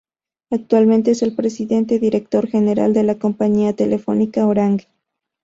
Actualmente es el Presidente Director General de la compañía telefónica Orange.